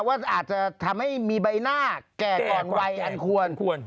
ว่าอาจจะทำให้มีใบหน้าแก่อ่อนไวอันควร